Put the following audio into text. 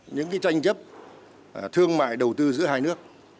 những tranh chấp thương mại đầu tư giữa hai nước